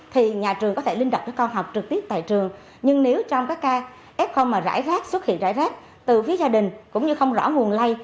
thì nhà trường có thể linh động các con học trực tiếp tại trường nhưng nếu trong các ca f mà rải rác xuất hiện rải rác từ phía gia đình cũng như không rõ nguồn lây